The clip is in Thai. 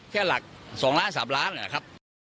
แค่หลักสองล้านสามล้านนะครับ